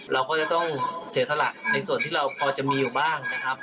เราก็จะต้องเสียสละในส่วนที่เราพอจะมีอยู่บ้างนะครับ